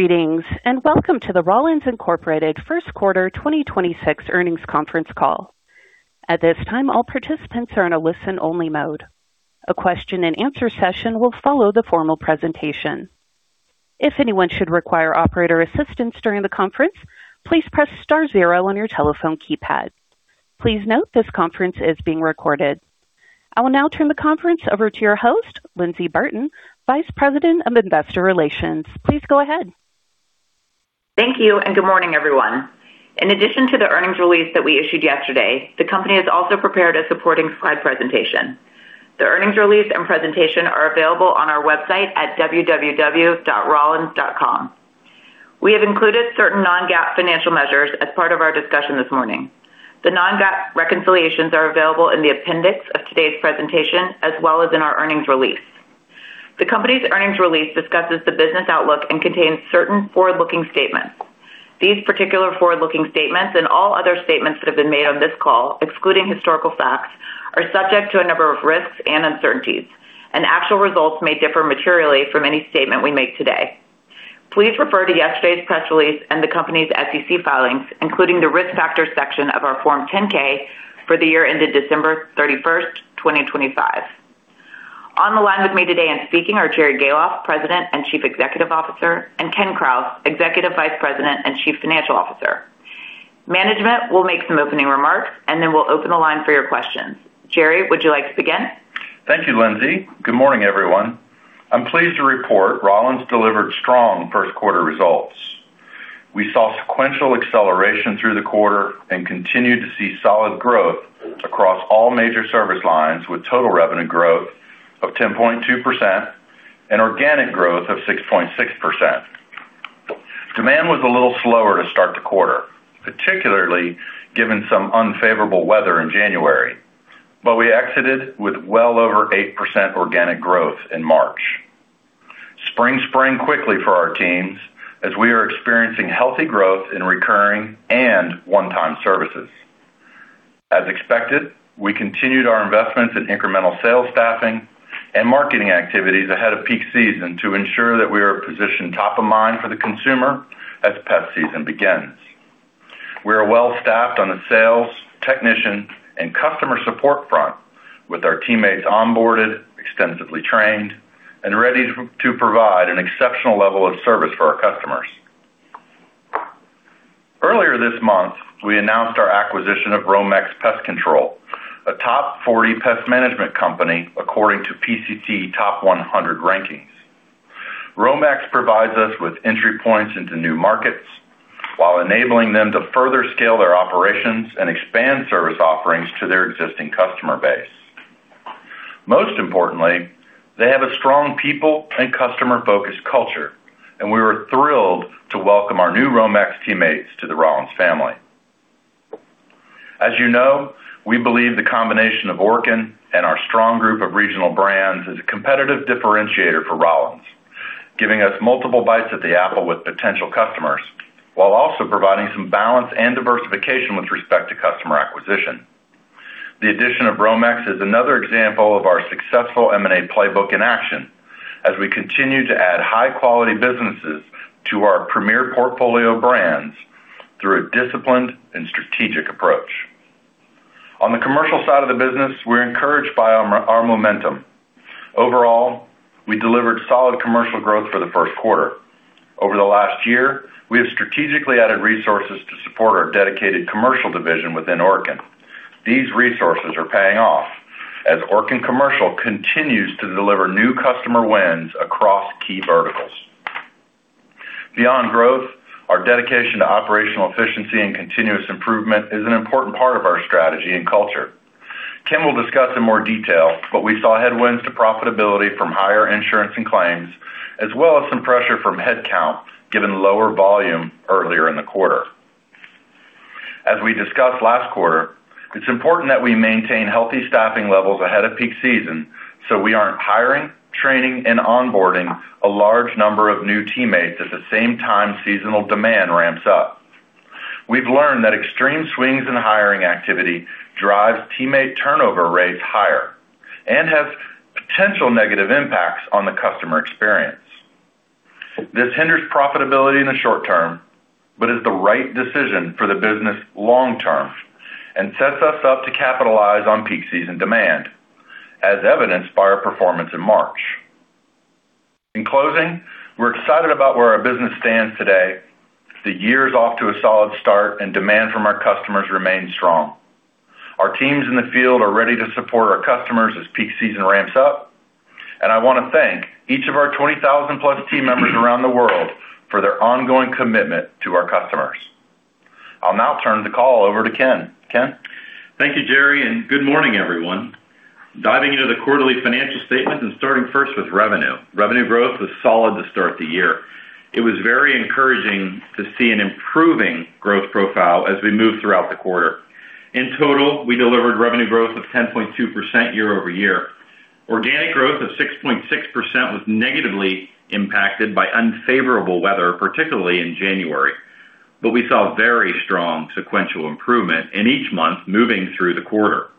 Greetings, and welcome to the Rollins, Inc. first quarter 2026 earnings conference call. At this time, all participants are in a listen-only mode. A question and answer session will follow the formal presentation. If anyone should require operator assistance during the conference, please press star zero on your telephone keypad. Please note this conference is being recorded. I will now turn the conference over to your host, Lyndsey Burton, Vice President of Investor Relations. Please go ahead. Thank you, and good morning, everyone. In addition to the earnings release that we issued yesterday, the company has also prepared a supporting slide presentation. The earnings release and presentation are available on our website at www.rollins.com. We have included certain non-GAAP financial measures as part of our discussion this morning. The non-GAAP reconciliations are available in the appendix of today's presentation as well as in our earnings release. The company's earnings release discusses the business outlook and contains certain forward-looking statements. These particular forward-looking statements and all other statements that have been made on this call, excluding historical facts, are subject to a number of risks and uncertainties, and actual results may differ materially from any statement we make today. Please refer to yesterday's press release and the company's SEC filings, including the Risk Factors section of our Form 10-K for the year ended December 31st, 2025. On the line with me today and speaking are Jerry Gahlhoff, President and Chief Executive Officer, and Ken Krause, Executive Vice President and Chief Financial Officer. Management will make some opening remarks, and then we'll open the line for your questions. Jerry, would you like to begin? Thank you, Lyndsey. Good morning, everyone. I'm pleased to report Rollins delivered strong first-quarter results. We saw sequential acceleration through the quarter and continued to see solid growth across all major service lines, with total revenue growth of 10.2% and organic growth of 6.6%. Demand was a little slower to start the quarter, particularly given some unfavorable weather in January, but we exited with well over 8% organic growth in March. Spring sprang quickly for our teams, as we are experiencing healthy growth in recurring and one-time services. As expected, we continued our investments in incremental sales staffing and marketing activities ahead of peak season to ensure that we are positioned top of mind for the consumer as pest season begins. We are well-staffed on the sales, technician, and customer support front with our teammates onboarded, extensively trained, and ready to provide an exceptional level of service for our customers. Earlier this month, we announced our acquisition of Romex Pest Control, a top 40 pest management company according to PCT Top 100 rankings. Romex provides us with entry points into new markets while enabling them to further scale their operations and expand service offerings to their existing customer base. Most importantly, they have a strong people and customer-focused culture, and we are thrilled to welcome our new Romex teammates to the Rollins family. As you know, we believe the combination of Orkin and our strong group of regional brands is a competitive differentiator for Rollins, giving us multiple bites at the appl`e with potential customers while also providing some balance and diversification with respect to customer acquisition. The addition of Romex is another example of our successful M&A playbook in action as we continue to add high-quality businesses to our premier portfolio brands through a disciplined and strategic approach. On the commercial side of the business, we're encouraged by our momentum. Overall, we delivered solid commercial growth for the first quarter. Over the last year, we have strategically added resources to support our dedicated commercial division within Orkin. These resources are paying off as Orkin Commercial continues to deliver new customer wins across key verticals. Beyond growth, our dedication to operational efficiency and continuous improvement is an important part of our strategy and culture. Ken will discuss in more detail, but we saw headwinds to profitability from higher insurance and claims, as well as some pressure from headcount, given lower volume earlier in the quarter. As we discussed last quarter, it's important that we maintain healthy staffing levels ahead of peak season so we aren't hiring, training, and onboarding a large number of new teammates at the same time seasonal demand ramps up. We've learned that extreme swings in hiring activity drives teammate turnover rates higher and has potential negative impacts on the customer experience. This hinders profitability in the short term but is the right decision for the business long term and sets us up to capitalize on peak season demand, as evidenced by our performance in March. In closing, we're excited about where our business stands today. The year's off to a solid start, and demand from our customers remains strong. Our teams in the field are ready to support our customers as peak season ramps up, and I want to thank each of our 20,000-plus team members around the world for their ongoing commitment to our customers. I'll now turn the call over to Ken. Ken? Thank you, Jerry, and good morning, everyone. Diving into the quarterly financial statements and starting first with revenue. Revenue growth was solid to start the year. It was very encouraging to see an improving growth profile as we moved throughout the quarter. In total, we delivered revenue growth of 10.2% year-over-year. Organic growth of 6.6% was negatively impacted by unfavorable weather, particularly in January, but we saw very strong sequential improvement in each month moving through the quarter.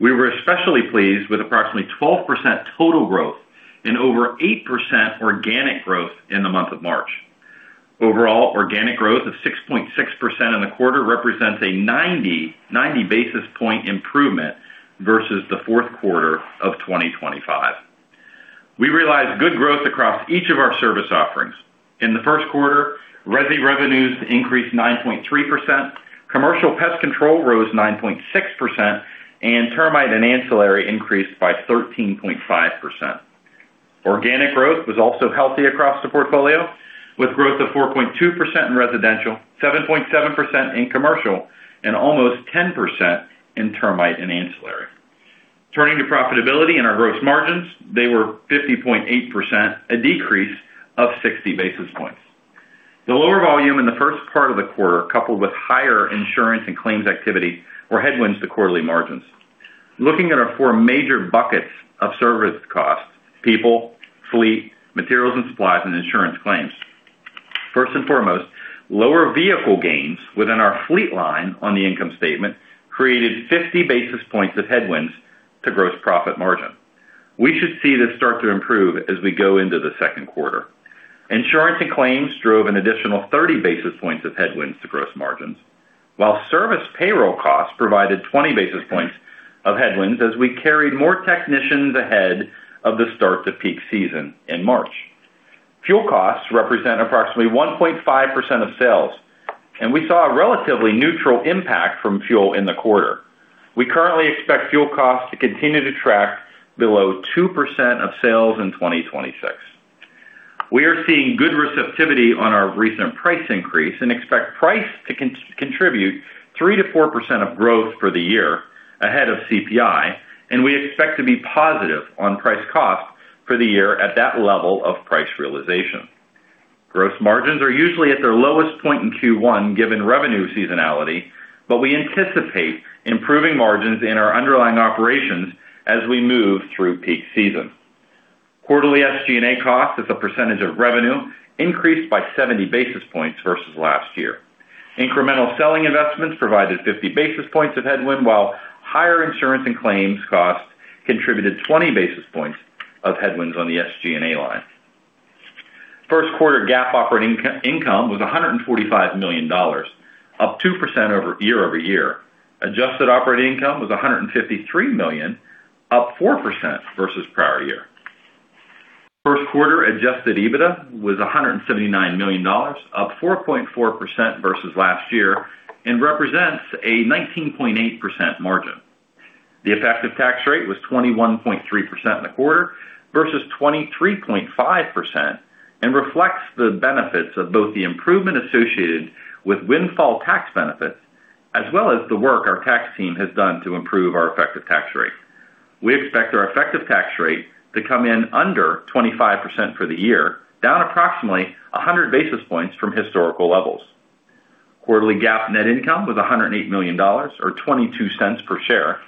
We were especially pleased with approximately 12% total growth and over 8% organic growth in the month of March. Overall, organic growth of 6.6% in the quarter represents a 90 basis points improvement versus the fourth quarter of 2025. We realized good growth across each of our service offerings. In the first quarter, resi revenues increased 9.3%, commercial pest control rose 9.6%, and termite and ancillary increased by 13.5%. Organic growth was also healthy across the portfolio, with growth of 4.2% in residential, 7.7% in commercial, and almost 10% in termite and ancillary. Turning to profitability and our gross margins, they were 50.8%, a decrease of 60 basis points. The lower volume in the first part of the quarter, coupled with higher insurance and claims activity, were headwinds to quarterly margins. Looking at our four major buckets of service costs, people, fleet, materials and supplies, and insurance claims. First and foremost, lower vehicle gains within our fleet line on the income statement created 50 basis points of headwinds to gross profit margin. We should see this start to improve as we go into the second quarter. Insurance and claims drove an additional 30 basis points of headwinds to gross margins, while service payroll costs provided 20 basis points of headwinds as we carried more technicians ahead of the start to peak season in March. Fuel costs represent approximately 1.5% of sales, and we saw a relatively neutral impact from fuel in the quarter. We currently expect fuel costs to continue to track below 2% of sales in 2026. We are seeing good receptivity on our recent price increase and expect price to contribute 3%-4% of growth for the year ahead of CPI, and we expect to be positive on price cost for the year at that level of price realization. Gross margins are usually at their lowest point in Q1, given revenue seasonality, but we anticipate improving margins in our underlying operations as we move through peak season. Quarterly SG&A costs as a percentage of revenue increased by 70 basis points versus last year. Incremental selling investments provided 50 basis points of headwind, while higher insurance and claims costs contributed 20 basis points of headwinds on the SG&A line. First quarter GAAP operating income was $145 million, up 2% year-over-year. Adjusted operating income was $153 million, up 4% versus prior year. First quarter adjusted EBITDA was $179 million, up 4.4% versus last year and represents a 19.8% margin. The effective tax rate was 21.3% in the quarter versus 23.5%, and reflects the benefits of both the improvement associated with windfall tax benefits, as well as the work our tax team has done to improve our effective tax rate. We expect our effective tax rate to come in under 25% for the year, down approximately 100 basis points from historical levels. Quarterly GAAP net income was $108 million, or $0.22 per share.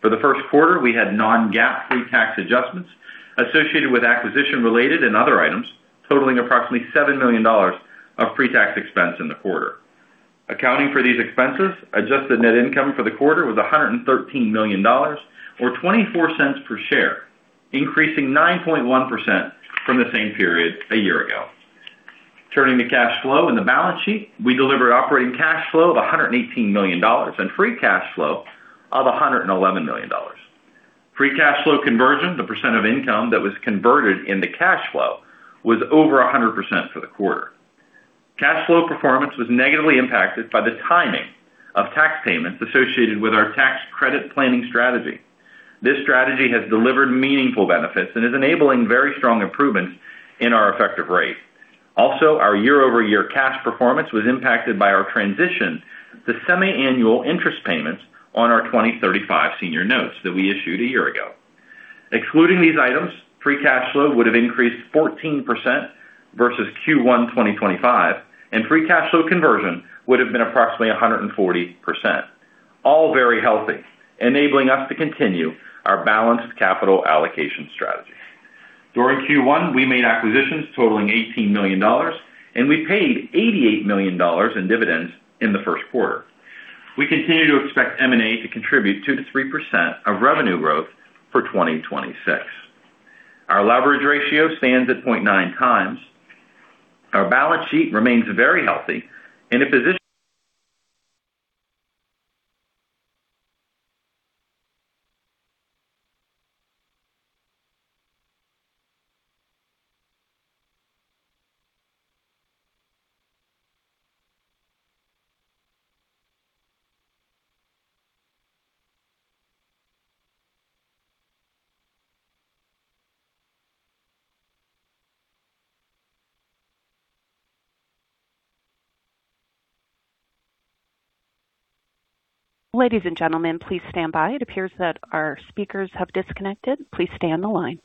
For the first quarter, we had non-GAAP pre-tax adjustments associated with acquisition-related and other items totaling approximately $7 million of pre-tax expense in the quarter. Accounting for these expenses, adjusted net income for the quarter was $113 million, or $0.24 per share, increasing 9.1% from the same period a year ago. Turning to cash flow and the balance sheet, we delivered operating cash flow of $118 million and free cash flow of $111 million. Free cash flow conversion, the percent of income that was converted into cash flow, was over 100% for the quarter. Cash flow performance was negatively impacted by the timing of tax payments associated with our tax credit planning strategy. This strategy has delivered meaningful benefits and is enabling very strong improvements in our effective rate. Also, our year-over-year cash performance was impacted by our transition to semiannual interest payments on our 2035 senior notes that we issued a year ago. Excluding these items, free cash flow would have increased 14% versus Q1 2025, and free cash flow conversion would have been approximately 140%. All very healthy, enabling us to continue our balanced capital allocation strategy. During Q1, we made acquisitions totaling $18 million, and we paid $88 million in dividends in the first quarter. We continue to expect M&A to contribute 2%-3% of revenue growth for 2026. Our leverage ratio stands at 0.9x Our balance sheet remains very healthy in a position. Ladies and gentlemen, please stand by. It appears that our speakers have disconnected. Please stay on the line.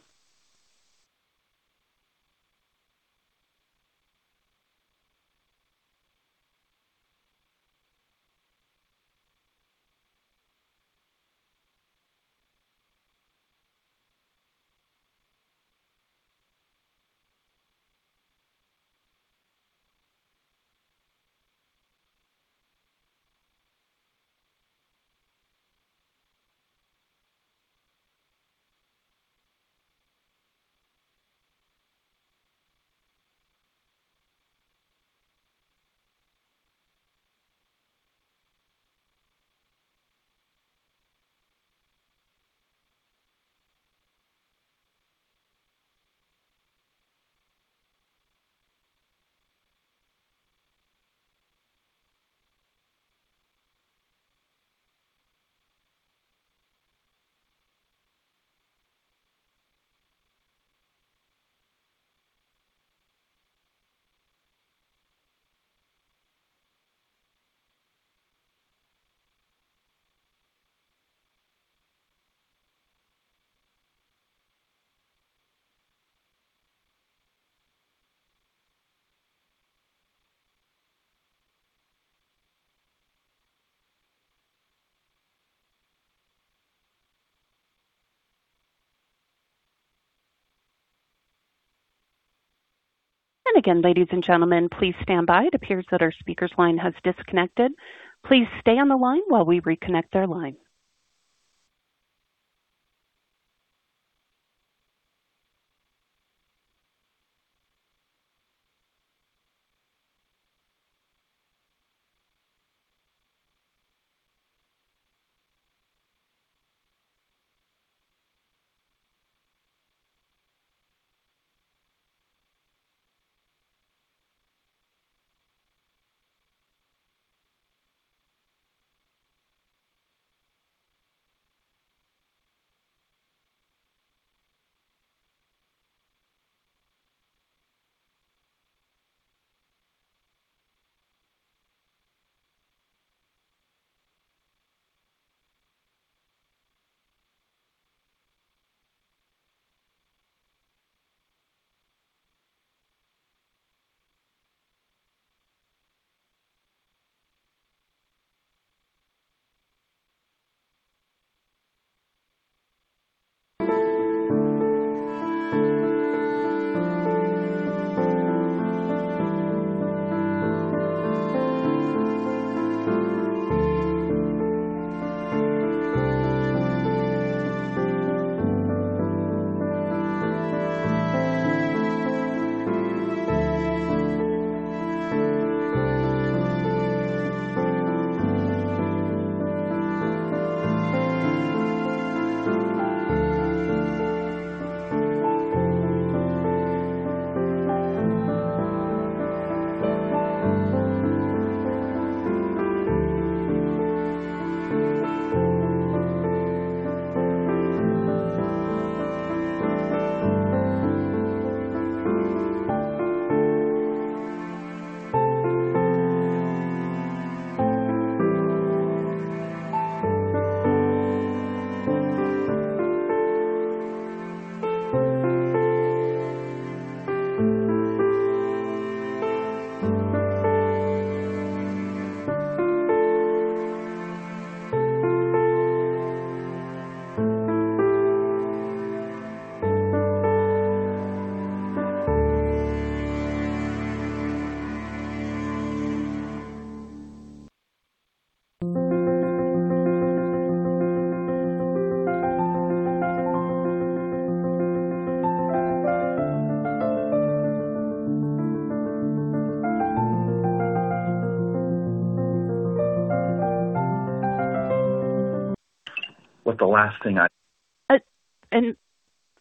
Again, ladies and gentlemen, please stand by. It appears that our speaker's line has disconnected. Please stay on the line while we reconnect their line.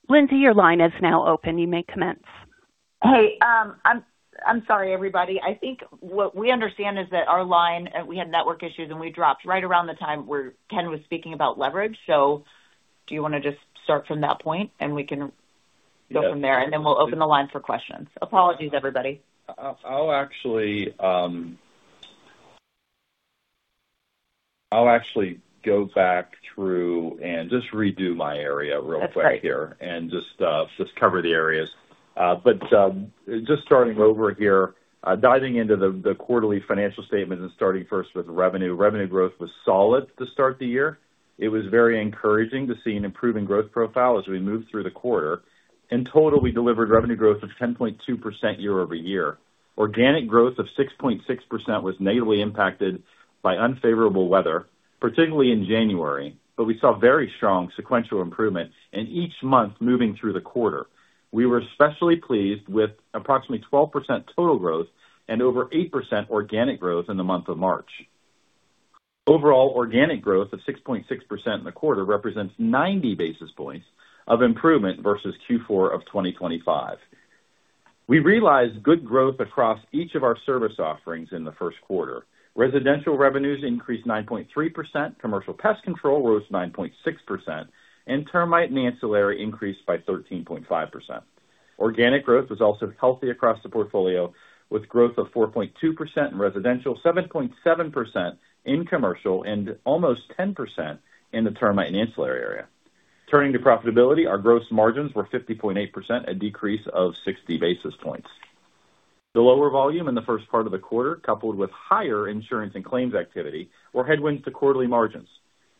Lyndsey, your line is now open. You may commence. Hey, I'm sorry, everybody. I think what we understand is that our line, we had network issues, and we dropped right around the time where Ken was speaking about leverage. Do you want to just start from that point, and we can go from there? Yeah. We'll open the line for questions. Apologies, everybody. I'll actually go back through and just redo my area real quick here. That's great. Diving into the quarterly financial statement and starting first with revenue. Revenue growth was solid to start the year. It was very encouraging to see an improving growth profile as we moved through the quarter. In total, we delivered revenue growth of 10.2% year-over-year. Organic growth of 6.6% was negatively impacted by unfavorable weather, particularly in January, but we saw very strong sequential improvement in each month moving through the quarter. We were especially pleased with approximately 12% total growth and over 8% organic growth in the month of March. Overall, organic growth of 6.6% in the quarter represents 90 basis points of improvement versus Q4 of 2025. We realized good growth across each of our service offerings in the first quarter. Residential revenues increased 9.3%, commercial pest control rose 9.6%, and termite and ancillary increased by 13.5%. Organic growth was also healthy across the portfolio, with growth of 4.2% in residential, 7.7% in commercial, and almost 10% in the termite and ancillary area. Turning to profitability, our gross margins were 50.8%, a decrease of 60 basis points. The lower volume in the first part of the quarter, coupled with higher insurance and claims activity, were headwinds to quarterly margins.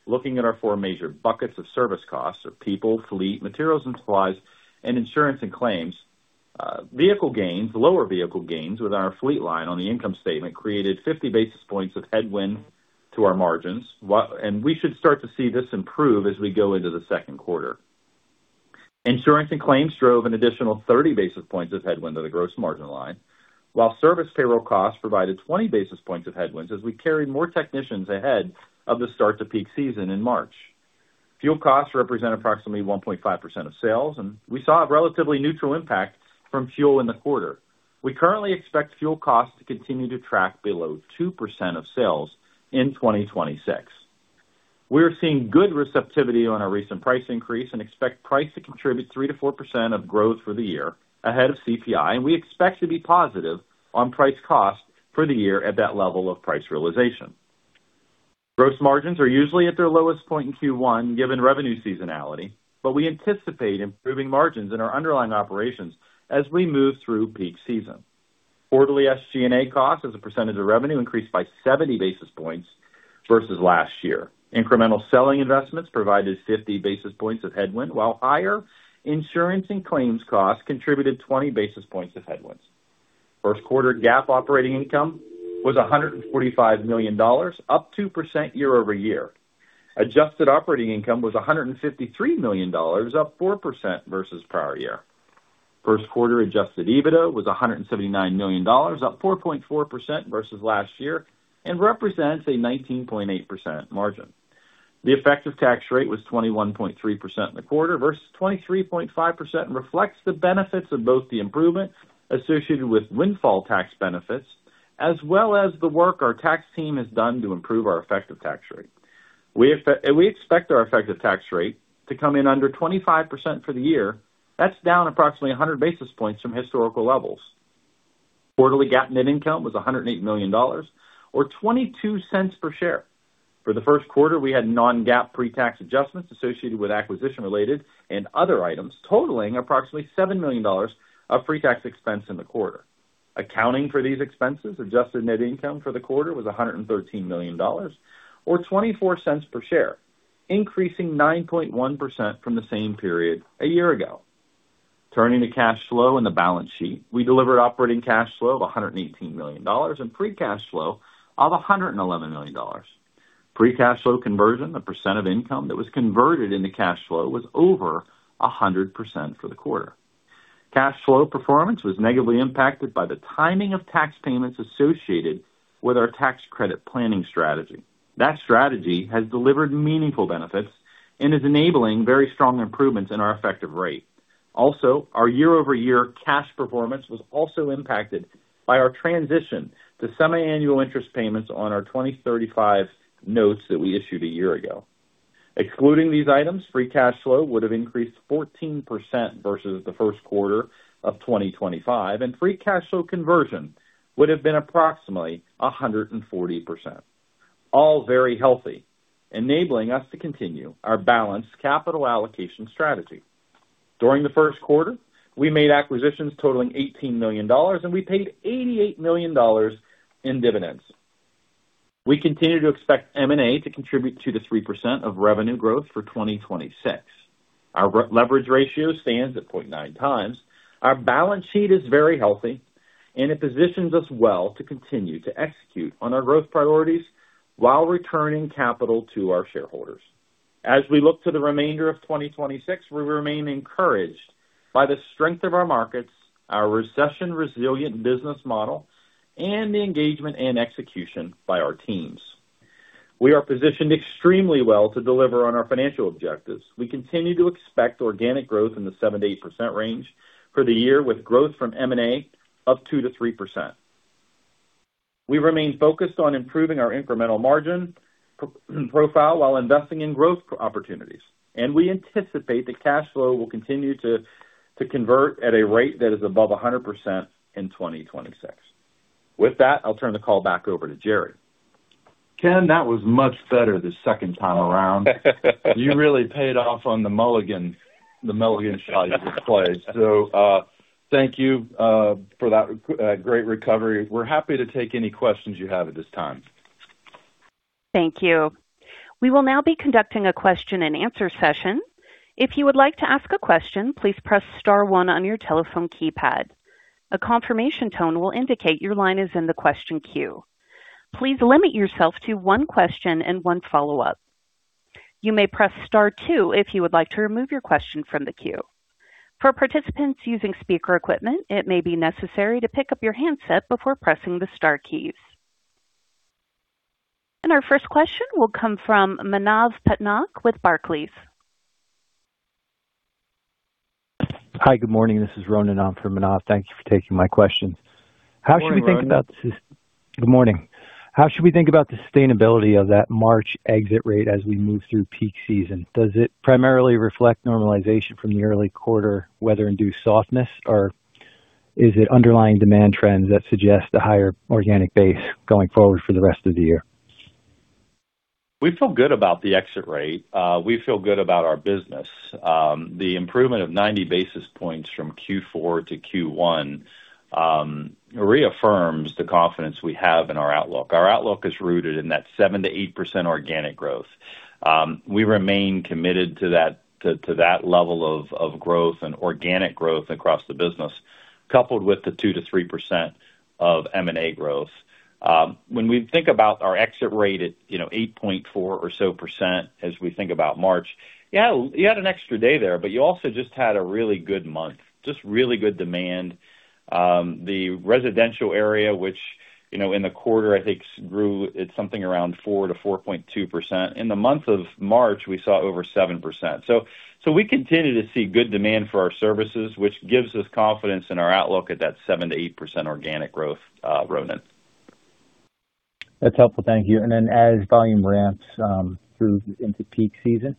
Looking at our four major buckets of service costs of people, fleet, materials and supplies, and insurance and claims. Vehicle gains, lower vehicle gains with our fleet line on the income statement created 50 basis points of headwind to our margins, and we should start to see this improve as we go into the second quarter. Insurance and claims drove an additional 30 basis points of headwind to the gross margin line, while service payroll costs provided 20 basis points of headwinds as we carried more technicians ahead of the start to peak season in March. Fuel costs represent approximately 1.5% of sales, and we saw a relatively neutral impact from fuel in the quarter. We currently expect fuel costs to continue to track below 2% of sales in 2026. We're seeing good receptivity on our recent price increase and expect price to contribute 3%-4% of growth for the year ahead of CPI, and we expect to be positive on price cost for the year at that level of price realization. Gross margins are usually at their lowest point in Q1, given revenue seasonality, but we anticipate improving margins in our underlying operations as we move through peak season. Quarterly SG&A costs as a percentage of revenue increased by 70 basis points versus last year. Incremental selling investments provided 50 basis points of headwind, while higher insurance and claims costs contributed 20 basis points of headwinds. First quarter GAAP operating income was $145 million, up 2% year-over-year. Adjusted operating income was $153 million, up 4% versus prior year. First quarter adjusted EBITDA was $179 million, up 4.4% versus last year and represents a 19.8% margin. The effective tax rate was 21.3% in the quarter versus 23.5%, and reflects the benefits of both the improvement associated with windfall tax benefits, as well as the work our tax team has done to improve our effective tax rate. We expect our effective tax rate to come in under 25% for the year. That's down approximately 100 basis points from historical levels. Quarterly GAAP net income was $108 million, or $0.22 per share. For the first quarter, we had non-GAAP pre-tax adjustments associated with acquisition-related and other items totaling approximately $7 million of pre-tax expense in the quarter. Accounting for these expenses, adjusted net income for the quarter was $113 million, or $0.24 per share, increasing 9.1% from the same period a year ago. Turning to cash flow and the balance sheet, we delivered operating cash flow of $118 million and free cash flow of $111 million. Free cash flow conversion, the % of income that was converted into cash flow, was over 100% for the quarter. Cash flow performance was negatively impacted by the timing of tax payments associated with our tax credit planning strategy. That strategy has delivered meaningful benefits and is enabling very strong improvements in our effective rate. Also, our year-over-year cash performance was also impacted by our transition to semiannual interest payments on our 2035 notes that we issued a year ago. Excluding these items, free cash flow would have increased 14% versus the first quarter of 2025, and free cash flow conversion would have been approximately 140%. All very healthy, enabling us to continue our balanced capital allocation strategy. During the first quarter, we made acquisitions totaling $18 million, and we paid $88 million in dividends. We continue to expect M&A to contribute 2%-3% of revenue growth for 2026. Our leverage ratio stands at 0.9x. Our balance sheet is very healthy, and it positions us well to continue to execute on our growth priorities while returning capital to our shareholders. As we look to the remainder of 2026, we remain encouraged by the strength of our markets, our recession-resilient business model, and the engagement and execution by our teams. We are positioned extremely well to deliver on our financial objectives. We continue to expect organic growth in the 7%-8% range for the year, with growth from M&A up 2%-3%. We remain focused on improving our incremental margin profile while investing in growth opportunities, and we anticipate that cash flow will continue to convert at a rate that is above 100% in 2026. With that, I'll turn the call back over to Jerry. Ken, that was much better the second time around. You really paid off on the mulligan shot you just played. Thank you for that great recovery. We're happy to take any questions you have at this time. Thank you. We will now be conducting a question and answer session. If you would like to ask a question, please press star one on your telephone keypad. A confirmation tone will indicate your line is in the question queue. Please limit yourself to one question and one follow-up. You may press star two if you would like to remove your question from the queue. For participants using speaker equipment, it may be necessary to pick up your handset before pressing the star keys. Our first question will come from Manav Patnaik with Barclays. Hi, good morning. This is Ronan on for Manav. Thank you for taking my questions. Good morning, Ronan. Good morning. How should we think about the sustainability of that March exit rate as we move through peak season? Does it primarily reflect normalization from the early quarter weather-induced softness, or is it underlying demand trends that suggest a higher organic base going forward for the rest of the year? We feel good about the exit rate. We feel good about our business. The improvement of 90 basis points from Q4 to Q1 reaffirms the confidence we have in our outlook. Our outlook is rooted in that 7%-8% organic growth. We remain committed to that level of growth and organic growth across the business, coupled with the 2%-3% of M&A growth. When we think about our exit rate at 8.4% or so as we think about March, you add an extra day there, but you also just had a really good month, just really good demand. The residential area, which in the quarter, I think grew at something around 4%-4.2%. In the month of March, we saw over 7%. We continue to see good demand for our services, which gives us confidence in our outlook at that 7%-8% organic growth, Ronan. That's helpful. Thank you. As volume ramps through into peak season,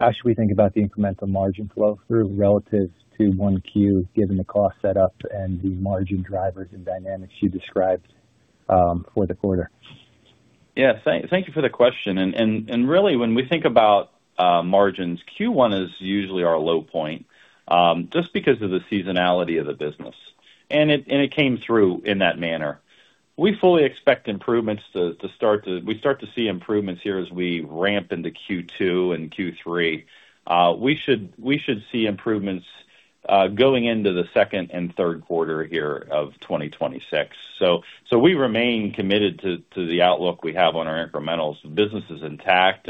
how should we think about the incremental margin flow through relative to Q1, given the cost set up and the margin drivers and dynamics you described for the quarter? Yeah. Thank you for the question. Really, when we think about margins, Q1 is usually our low point, just because of the seasonality of the business. It came through in that manner. We fully expect we start to see improvements here as we ramp into Q2 and Q3. We should see improvements going into the second and third quarter here of 2026. We remain committed to the outlook we have on our incrementals. The business is intact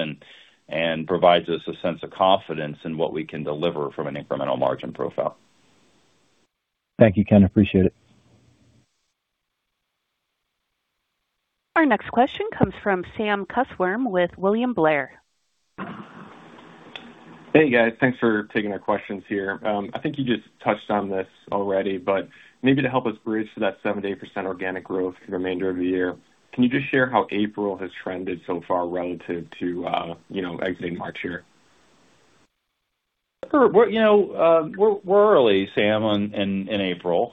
and provides us a sense of confidence in what we can deliver from an incremental margin profile. Thank you, Ken. Appreciate it. Our next question comes from Sam Kusswurm with William Blair. Hey, guys. Thanks for taking our questions here. I think you just touched on this already, but maybe to help us bridge to that 7%-8% organic growth for the remainder of the year, can you just share how April has trended so far relative to exiting March here? Sure. We're early, Sam, in April.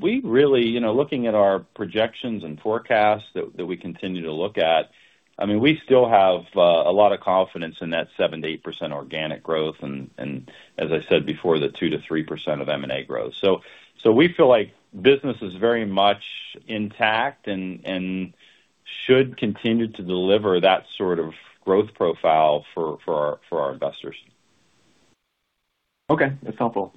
We really, looking at our projections and forecasts that we continue to look at, we still have a lot of confidence in that 7%-8% organic growth and, as I said before, the 2%-3% of M&A growth. We feel like business is very much intact and should continue to deliver that sort of growth profile for our investors. Okay. That's helpful.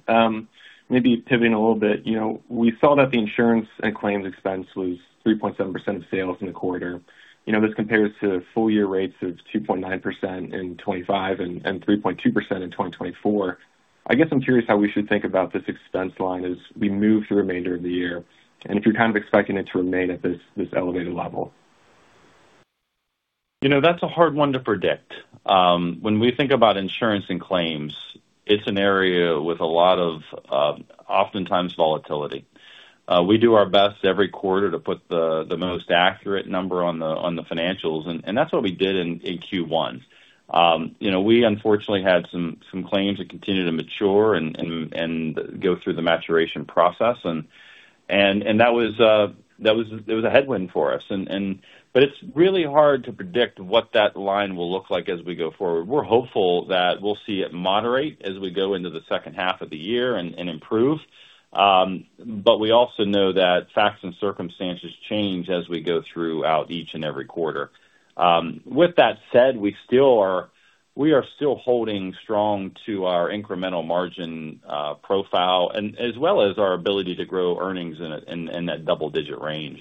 Maybe pivoting a little bit. We saw that the insurance and claims expense was 3.7% of sales in the quarter. This compares to full year rates of 2.9% in 2025 and 3.2% in 2024. I guess I'm curious how we should think about this expense line as we move through the remainder of the year, and if you're kind of expecting it to remain at this elevated level? That's a hard one to predict. When we think about insurance and claims, it's an area with a lot of oftentimes volatility. We do our best every quarter to put the most accurate number on the financials, and that's what we did in Q1. We unfortunately had some claims that continued to mature and go through the maturation process, and that was a headwind for us. It's really hard to predict what that line will look like as we go forward. We're hopeful that we'll see it moderate as we go into the second half of the year and improve. We also know that facts and circumstances change as we go throughout each and every quarter. With that said, we are still holding strong to our incremental margin profile and as well as our ability to grow earnings in that double-digit range.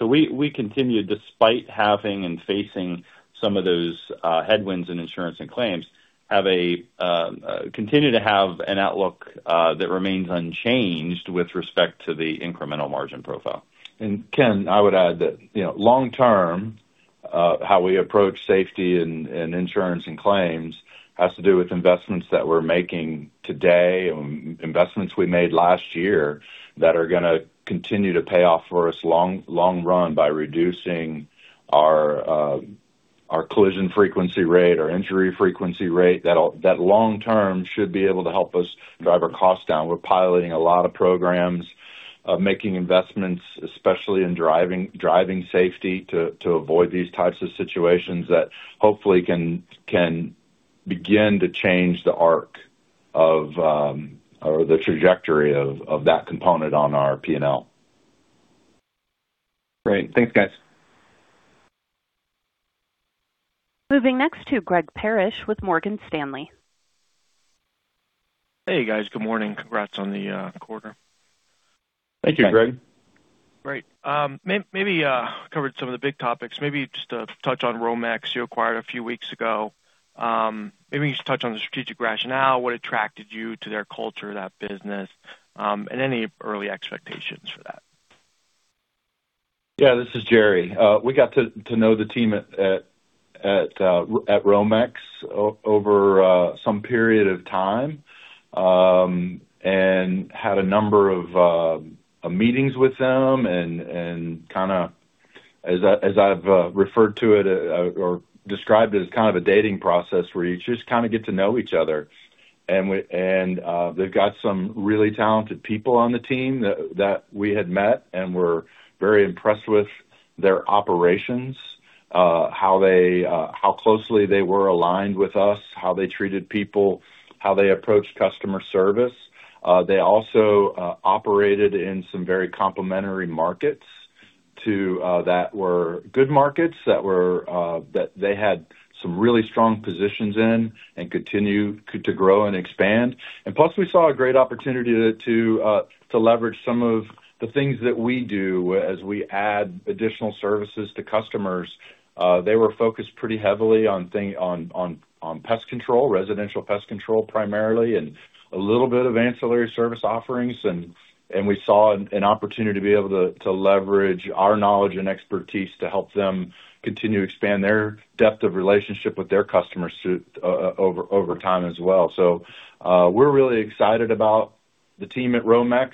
We continue, despite having and facing some of those headwinds in insurance and claims, continue to have an outlook that remains unchanged with respect to the incremental margin profile. Ken, I would add that long term, how we approach safety and insurance and claims has to do with investments that we're making today and investments we made last year that are going to continue to pay off for us long run by reducing our collision frequency rate, our injury frequency rate, that long term should be able to help us drive our costs down. We're piloting a lot of programs, making investments, especially in driving safety to avoid these types of situations that hopefully can begin to change the arc of or the trajectory of that component on our P&L. Great. Thanks, guys. Moving next to Greg Parrish with Morgan Stanley. Hey, guys. Good morning. Congrats on the quarter. Thank you, Greg. Thanks. Great. Maybe covered some of the big topics. Maybe just to touch on Romex you acquired a few weeks ago. Maybe just touch on the strategic rationale, what attracted you to their culture, that business, and any early expectations for that? Yeah, this is Jerry. We got to know the team at Romex over some period of time, and had a number of meetings with them and kind of, as I've referred to it or described it as kind of a dating process where you just kind of get to know each other. They've got some really talented people on the team that we had met, and we're very impressed with their operations, how closely they were aligned with us, how they treated people, how they approach customer service. They also operated in some very complementary markets that were good markets, that they had some really strong positions in and continue to grow and expand. Plus, we saw a great opportunity to leverage some of the things that we do as we add additional services to customers. They were focused pretty heavily on pest control, residential pest control primarily, and a little bit of ancillary service offerings. We saw an opportunity to be able to leverage our knowledge and expertise to help them continue to expand their depth of relationship with their customers over time as well. We're really excited about the team at Romex,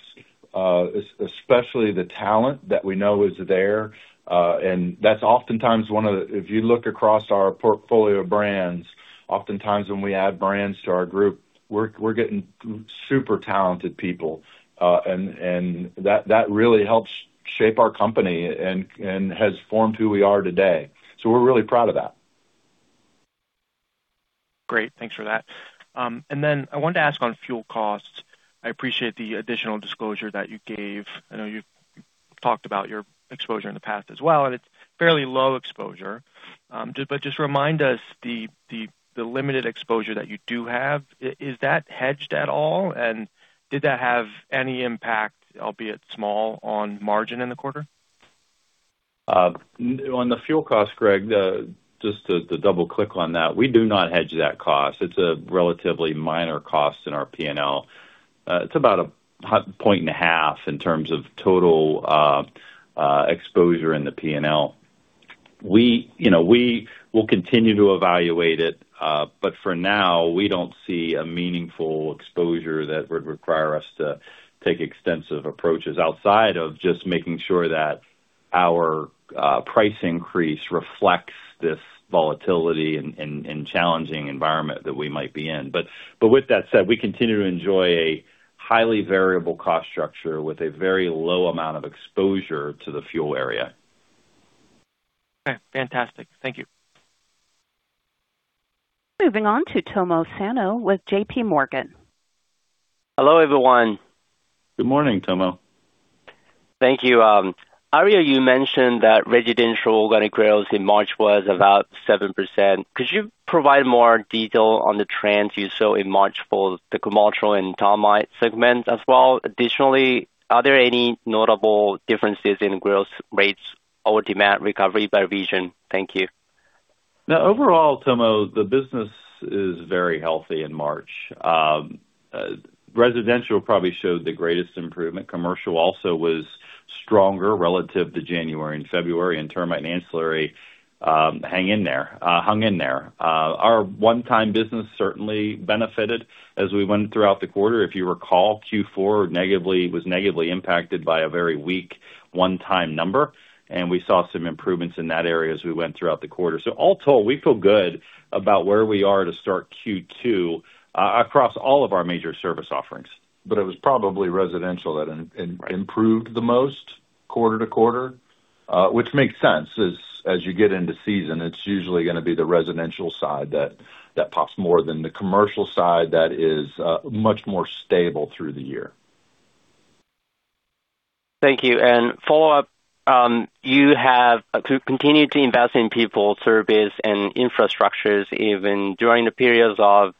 especially the talent that we know is there. If you look across our portfolio of brands, oftentimes when we add brands to our group, we're getting super talented people. That really helps shape our company and has formed who we are today. We're really proud of that. Great, thanks for that. I wanted to ask on fuel costs. I appreciate the additional disclosure that you gave. I know you've talked about your exposure in the past as well, and it's fairly low exposure. Just remind us, the limited exposure that you do have, is that hedged at all, and did that have any impact, albeit small, on margin in the quarter? On the fuel cost, Greg, just to double click on that, we do not hedge that cost. It's a relatively minor cost in our P&L. It's about 1.5 points in terms of total exposure in the P&L. We will continue to evaluate it, but for now, we don't see a meaningful exposure that would require us to take extensive approaches outside of just making sure that our price increase reflects this volatility and challenging environment that we might be in. With that said, we continue to enjoy a highly variable cost structure with a very low amount of exposure to the fuel area. Okay, fantastic. Thank you. Moving on to Tomohiko Sano with JPMorgan. Hello, everyone. Good morning, Tomo. Thank you. Jerry, you mentioned that residential organic growth in March was about 7%. Could you provide more detail on the trends you saw in March for the commercial and termite segments as well? Additionally, are there any notable differences in growth rates or demand recovery by region? Thank you. Now, overall, Tomo, the business is very healthy in March. Residential probably showed the greatest improvement. Commercial also was stronger relative to January and February, and termite and ancillary hung in there. Our one-time business certainly benefited as we went throughout the quarter. If you recall, Q4 was negatively impacted by a very weak one-time number, and we saw some improvements in that area as we went throughout the quarter. All told, we feel good about where we are to start Q2 across all of our major service offerings. It was probably residential that improved the most quarter-to-quarter, which makes sense. As you get into season, it's usually going to be the residential side that pops more than the commercial side that is much more stable through the year. Thank you. Follow up, you have continued to invest in people, service, and infrastructures, even during the periods of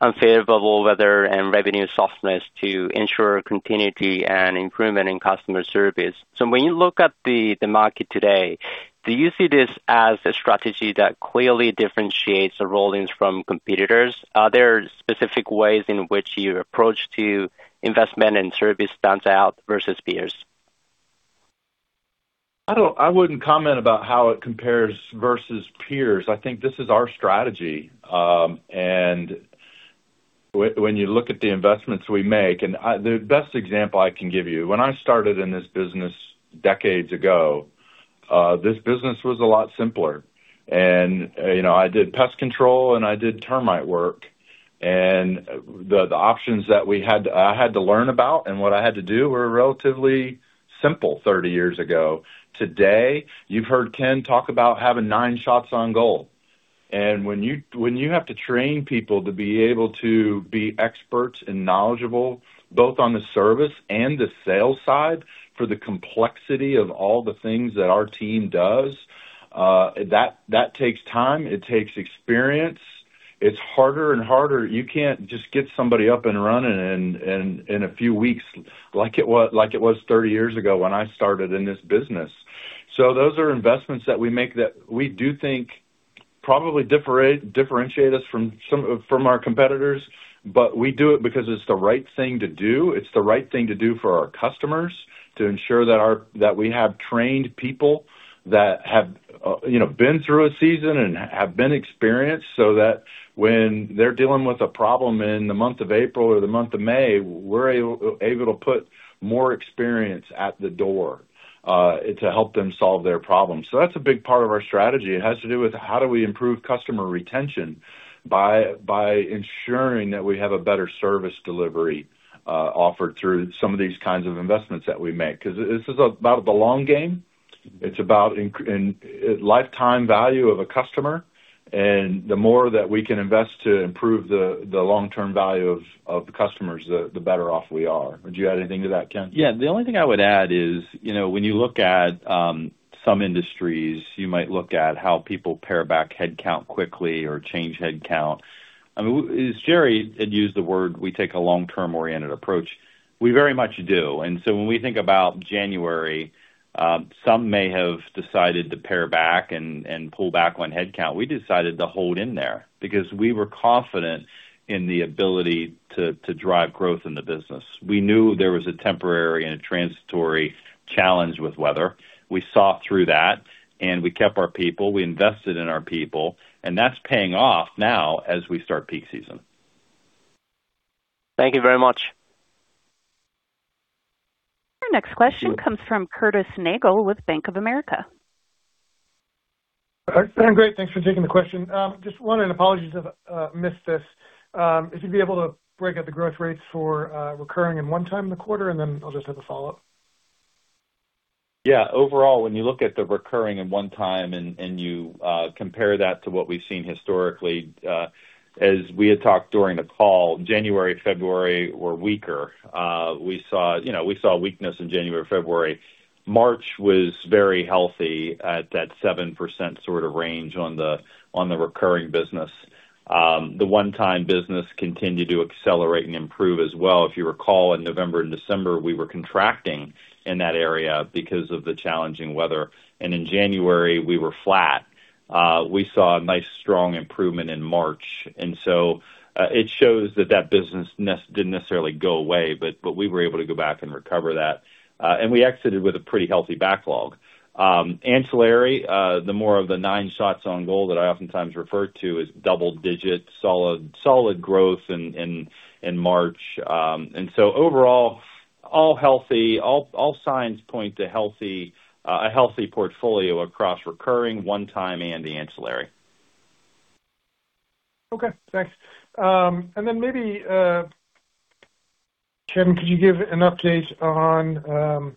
unfavorable weather and revenue softness to ensure continuity and improvement in customer service. When you look at the market today, do you see this as a strategy that clearly differentiates Rollins from competitors? Are there specific ways in which your approach to investment and service stands out versus peers? I wouldn't comment about how it compares versus peers. I think this is our strategy. When you look at the investments we make, and the best example I can give you, when I started in this business decades ago, this business was a lot simpler. I did pest control and I did termite work, and the options that I had to learn about and what I had to do were relatively simple 30 years ago. Today, you've heard Ken talk about having nine shots on goal. When you have to train people to be able to be experts and knowledgeable, both on the service and the sales side, for the complexity of all the things that our team does, that takes time. It takes experience. It's harder and harder. You can't just get somebody up and running in a few weeks like it was 30 years ago when I started in this business. Those are investments that we make that we do think probably differentiate us from our competitors, but we do it because it's the right thing to do. It's the right thing to do for our customers to ensure that we have trained people that have. You know, been through a season and have been experienced, so that when they're dealing with a problem in the month of April or the month of May, we're able to put more experience at the door to help them solve their problems. That's a big part of our strategy. It has to do with how do we improve customer retention by ensuring that we have a better service delivery offered through some of these kinds of investments that we make. Because this is about the long game. It's about lifetime value of a customer. The more that we can invest to improve the long-term value of the customers, the better off we are. Would you add anything to that, Ken? Yeah. The only thing I would add is, when you look at some industries, you might look at how people pare back headcount quickly or change headcount. I mean, as Jerry had used the word, we take a long-term oriented approach. We very much do. When we think about January, some may have decided to pare back and pull back on headcount. We decided to hold in there because we were confident in the ability to drive growth in the business. We knew there was a temporary and a transitory challenge with weather. We saw through that and we kept our people, we invested in our people, and that's paying off now as we start peak season. Thank you very much. Your next question comes from Curtis Nagle with Bank of America. Great. Thanks for taking the question. Just one, and apologies if I missed this. If you'd be able to break out the growth rates for recurring and one-time in the quarter, and then I'll just have a follow-up. Yeah. Overall, when you look at the recurring and one-time and you compare that to what we've seen historically, as we had talked during the call, January, February were weaker. We saw weakness in January, February. March was very healthy at that 7% sort of range on the recurring business. The one-time business continued to accelerate and improve as well. If you recall, in November and December, we were contracting in that area because of the challenging weather. In January we were flat. We saw a nice strong improvement in March. It shows that that business didn't necessarily go away, but we were able to go back and recover that. We exited with a pretty healthy backlog. Ancillary, the more of the nine shots on goal that I oftentimes refer to as double digit solid growth in March. Overall, all healthy. All signs point to a healthy portfolio across recurring, one-time, and the ancillary. Okay, thanks. Maybe, Ken, could you give an update on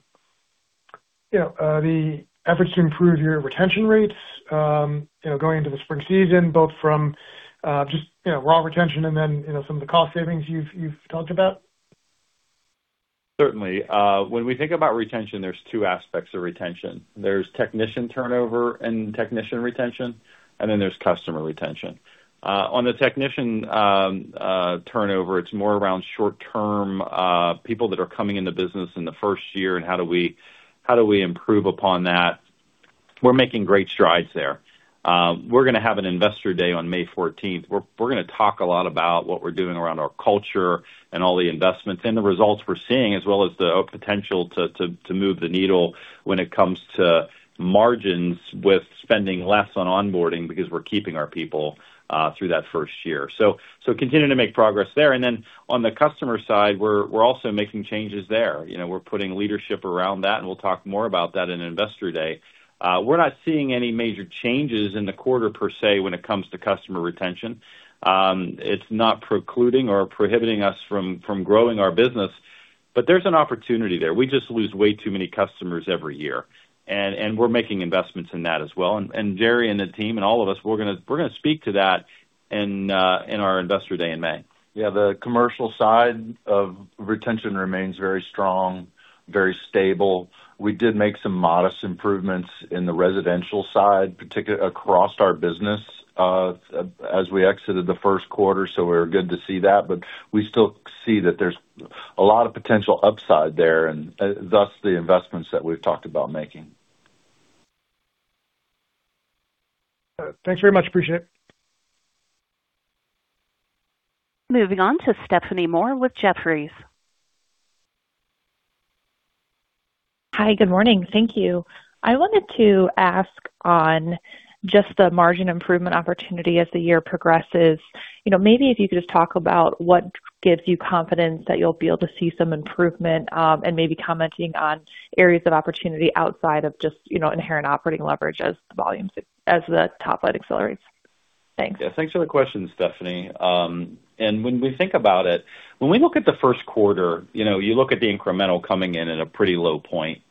the efforts to improve your retention rates, going into the spring season, both from just raw retention and then some of the cost savings you've talked about? Certainly. When we think about retention, there's two aspects of retention. There's technician turnover and technician retention, and then there's customer retention. On the technician turnover, it's more around short term, people that are coming in the business in the first year, and how do we improve upon that? We're making great strides there. We're going to have an investor day on May 14th. We're going to talk a lot about what we're doing around our culture and all the investments and the results we're seeing, as well as the potential to move the needle when it comes to margins with spending less on onboarding because we're keeping our people through that first year. Continuing to make progress there. On the customer side, we're also making changes there. We're putting leadership around that, and we'll talk more about that in Investor Day. We're not seeing any major changes in the quarter per se, when it comes to customer retention. It's not precluding or prohibiting us from growing our business. There's an opportunity there. We just lose way too many customers every year, and we're making investments in that as well. Jerry and the team and all of us, we're going to speak to that in our Investor Day in May. Yeah. The commercial side of retention remains very strong, very stable. We did make some modest improvements in the residential side, particularly across our business, as we exited the first quarter. We're good to see that, but we still see that there's a lot of potential upside there, and thus the investments that we've talked about making. Thanks very much. Appreciate it. Moving on to Stephanie Moore with Jefferies. Hi. Good morning. Thank you. I wanted to ask on just the margin improvement opportunity as the year progresses. Maybe if you could just talk about what gives you confidence that you'll be able to see some improvement, and maybe commenting on areas of opportunity outside of just inherent operating leverage as the top line accelerates. Thanks. Yeah. Thanks for the question, Stephanie. When we think about it, when we look at the first quarter, you look at the incremental coming in at a pretty low point.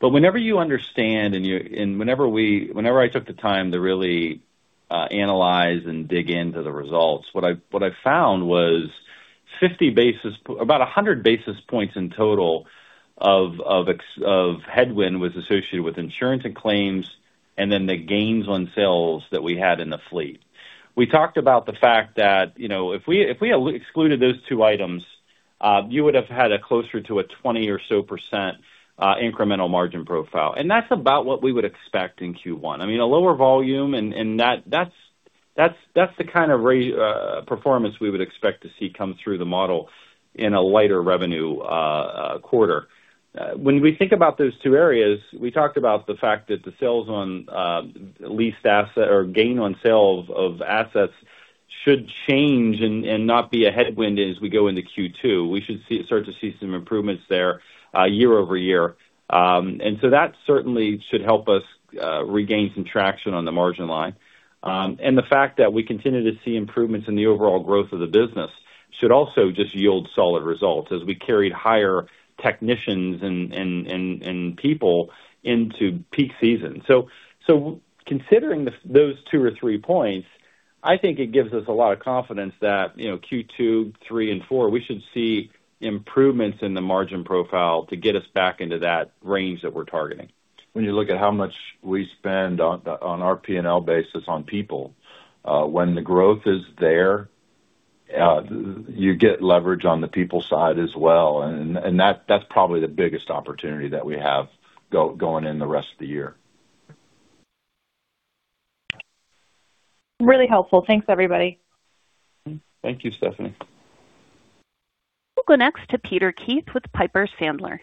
Whenever you understand and whenever I took the time to really analyze and dig into the results, what I found was about 100 basis points in total of headwind was associated with insurance and claims, and then the gains on sales that we had in the fleet. We talked about the fact that if we excluded those two items, you would have had a closer to a 20% or so incremental margin profile. That's about what we would expect in Q1. I mean, a lower volume, and that's the kind of performance we would expect to see come through the model in a lighter revenue quarter. When we think about those two areas, we talked about the fact that the sales on leased asset or gain on sales of assets should change and not be a headwind as we go into Q2. We should start to see some improvements there year-over-year. That certainly should help us regain some traction on the margin line. The fact that we continue to see improvements in the overall growth of the business should also just yield solid results as we carried higher technicians and people into peak season. Considering those 2 or 3 points, I think it gives us a lot of confidence that Q2, Q3, and Q4, we should see improvements in the margin profile to get us back into that range that we're targeting. When you look at how much we spend on our P&L basis on people, when the growth is there, you get leverage on the people side as well. That's probably the biggest opportunity that we have going in the rest of the year. Really helpful. Thanks, everybody. Thank you, Stephanie. We'll go next to Peter Keith with Piper Sandler.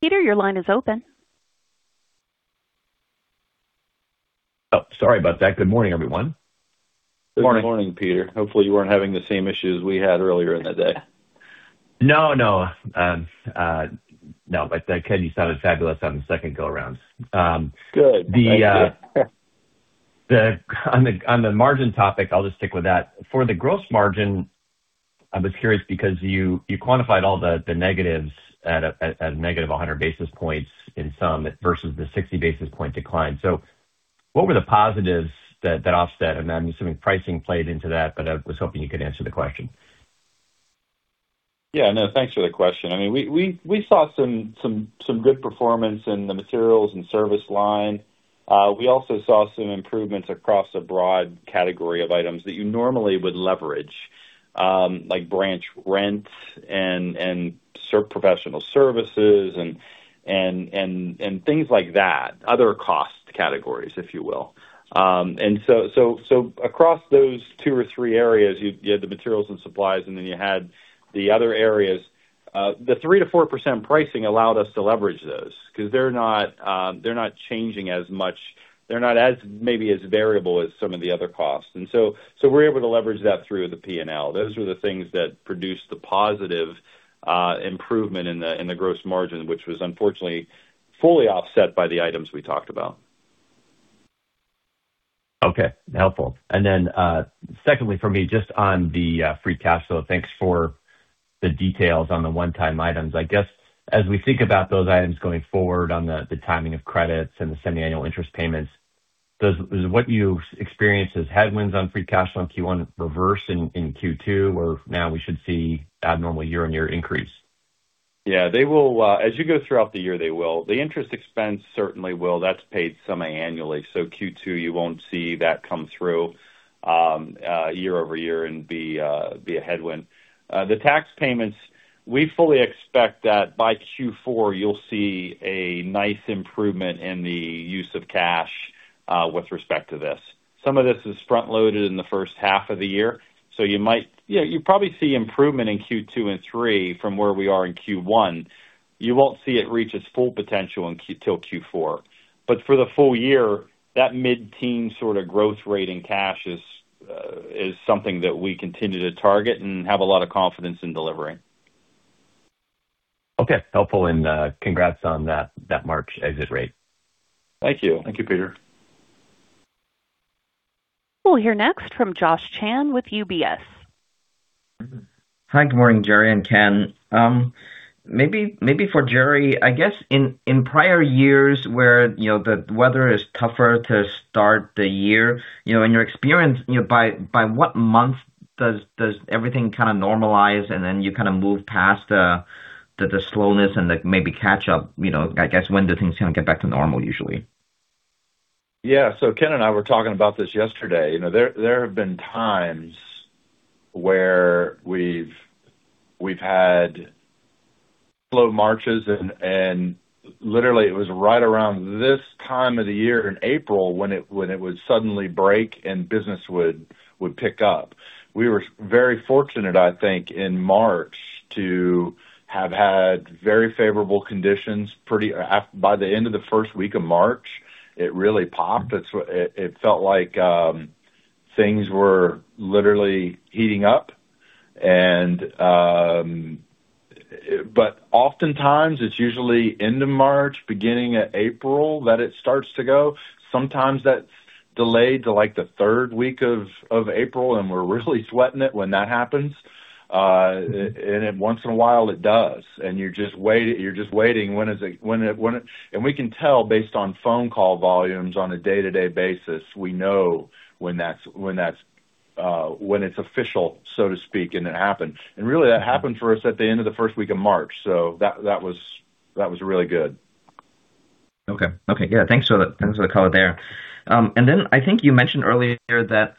Peter, your line is open. Oh, sorry about that. Good morning, everyone. Good morning, Peter. Hopefully, you weren't having the same issues we had earlier in the day. No. Ken, you sounded fabulous on the second go around. Good. Thank you. On the margin topic, I'll just stick with that. For the gross margin, I was curious because you quantified all the negatives at a negative 100 basis points in sum, versus the 60 basis point decline. What were the positives that offset? I'm assuming pricing played into that, but I was hoping you could answer the question. Yeah. No, thanks for the question. We saw some good performance in the materials and service line. We also saw some improvements across a broad category of items that you normally would leverage, like branch rents and professional services and things like that, other cost categories, if you will. Across those two or three areas, you had the materials and supplies, and then you had the other areas. The 3%-4% pricing allowed us to leverage those because they're not changing as much. They're not as maybe as variable as some of the other costs. We're able to leverage that through the P&L. Those were the things that produced the positive improvement in the gross margin, which was unfortunately fully offset by the items we talked about. Okay. Helpful. Secondly for me, just on the free cash flow, thanks for the details on the one-time items. I guess as we think about those items going forward on the timing of credits and the semiannual interest payments, does what you experienced as headwinds on free cash flow in Q1 reverse in Q2, or now we should see abnormal year-on-year increase? Yeah. As you go throughout the year, they will. The interest expense certainly will. That's paid semiannually, so Q2, you won't see that come through year-over-year and be a headwind. The tax payments, we fully expect that by Q4, you'll see a nice improvement in the use of cash with respect to this. Some of this is front-loaded in the first half of the year, so you'll probably see improvement in Q2 and Q3 from where we are in Q1. You won't see it reach its full potential till Q4. For the full year, that mid-teen sort of growth rate in cash is something that we continue to target and have a lot of confidence in delivering. Okay. Helpful. Congrats on that March exit rate. Thank you. Thank you, Peter. We'll hear next from Josh Chan with UBS. Hi. Good morning, Jerry and Ken. Maybe for Jerry, I guess in prior years where the weather is tougher to start the year, in your experience, by what month does everything kind of normalize, and then you kind of move past the slowness and maybe catch up? I guess, when do things kind of get back to normal usually? Yeah. Ken and I were talking about this yesterday. There have been times where we've had slow Marches, and literally it was right around this time of the year in April when it would suddenly break, and business would pick up. We were very fortunate, I think, in March to have had very favorable conditions. By the end of the first week of March, it really popped. It felt like things were literally heating up. Oftentimes, it's usually end of March, beginning of April, that it starts to go. Sometimes that's delayed to like the third week of April, and we're really sweating it when that happens. Then once in a while it does, and you're just waiting. We can tell based on phone call volumes on a day-to-day basis. We know when it's official, so to speak, and it happened. Really that happened for us at the end of the first week of March. That was really good. Okay. Yeah, thanks for the color there. I think you mentioned earlier that